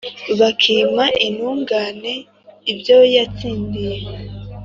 bakima intungane ibyo yatsindiye.